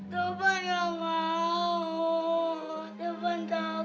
topan gak mau topan takut